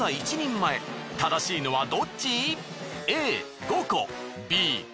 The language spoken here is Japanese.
前正しいのはどっち？